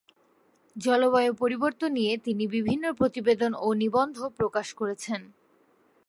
জলবায়ু পরিবর্তন নিয়ে তিনি বিভিন্ন প্রতিবেদন ও নিবন্ধ প্রকাশ করেছেন।